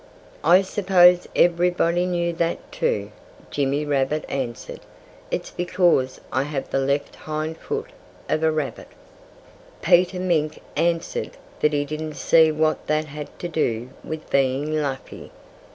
"I supposed everybody knew that, too," Jimmy Rabbit answered. "It's because I have the left hind foot of a rabbit." Peter Mink answered that he didn't see what that had to do with being lucky.